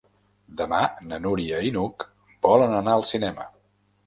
Demà na Núria i n'Hug volen anar al cinema.